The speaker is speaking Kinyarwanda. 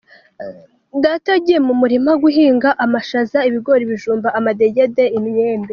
Data yagiye mu murima guhinga amashaza, ibigore, ibijumbo, amadegede, imyembe.